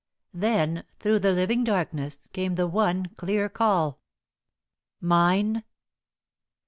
Then, through the living darkness, came the one clear call: "Mine?"